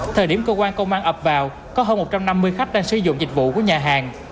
thời điểm cơ quan công an ập vào có hơn một trăm năm mươi khách đang sử dụng dịch vụ của nhà hàng